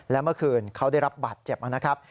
และเมื่อคืนเขาได้รับบาดเจ็บนะครับ